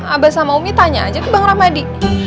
abah sama umi tanya aja ke bang ramadi